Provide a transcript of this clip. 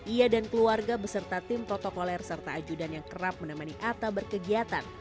ia dan keluarga beserta tim protokoler serta ajudan yang kerap menemani atta berkegiatan